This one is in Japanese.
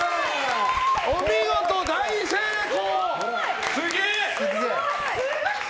お見事大成功！